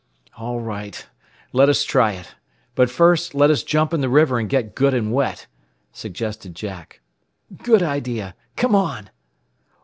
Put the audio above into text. "All right. Let us try it. But first, let us jump in the river and get good and wet," suggested Jack. "Good idea! Come on!